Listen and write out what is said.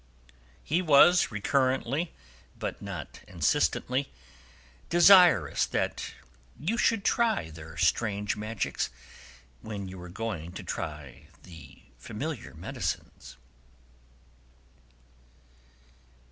He was recurrently, but not insistently, desirous that you should try their strange magics when you were going to try the familiar medicines.